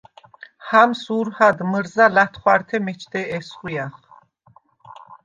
ჰამს ურჰად მჷრზა ლა̈თხვართე მეჩდე ესხვიახ.